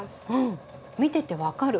見てて分かる。